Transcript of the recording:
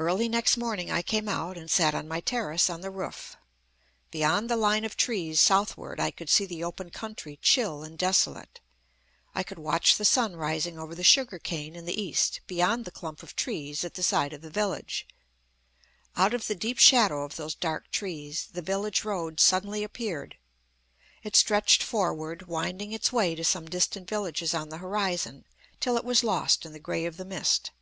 Early next morning I came out, and sat on my terrace on the roof. Beyond the line of trees southward I could see the open country chill and desolate. I could watch the sun rising over the sugar cane in the East, beyond the clump of trees at the side of the village. Out of the deep shadow of those dark trees the village road suddenly appeared. It stretched forward, winding its way to some distant villages on the horizon, till it was lost in the grey of the mist.